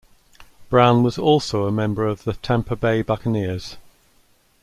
Brown was also a member of the Tampa Bay Buccaneers.